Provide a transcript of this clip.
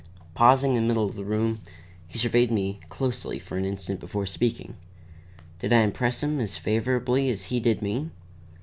Pausing in the middle of the room, he surveyed me closely for an instant before speaking. Did I impress him as favorably as he did me?